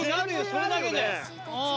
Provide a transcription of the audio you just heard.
それだけでうん。